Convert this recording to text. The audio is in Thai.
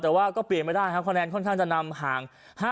แต่ว่าก็เปลี่ยนไม่ได้ครับคะแนนค่อนข้างจะนำห่าง